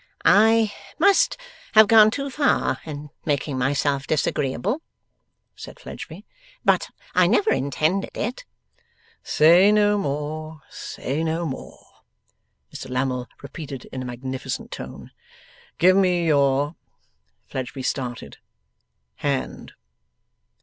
'I must have gone too far in making myself disagreeable,' said Fledgeby, 'but I never intended it.' 'Say no more, say no more!' Mr Lammle repeated in a magnificent tone. 'Give me your' Fledgeby started 'hand.